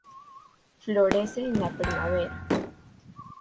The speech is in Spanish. Florece en la primavera.